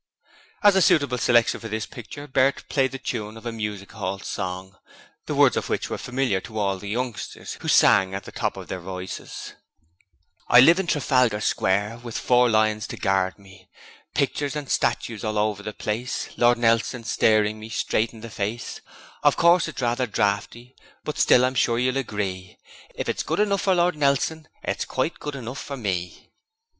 As a suitable selection for this picture, Bert played the tune of a music hall song, the words of which were familiar to all the youngsters, who sang at the top of their voices: 'I live in Trafalgar Square, With four lions to guard me, Pictures and statues all over the place, Lord Nelson staring me straight in the face, Of course it's rather draughty, But still I'm sure you'll agree, If it's good enough for Lord Nelson, It's quite good enough for me.'